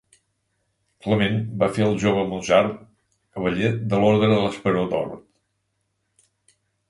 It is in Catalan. Clement va fer al jove Mozart cavaller de l'Ordre de l'Esperó d'Or.